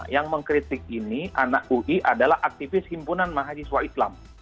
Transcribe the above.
yang mengkritik ini anak ui adalah aktivis himpunan mahasiswa islam